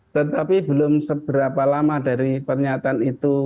tetapi belum seberapa lama dari pernyataan itu